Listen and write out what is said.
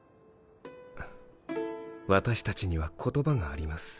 私たちには言葉があります。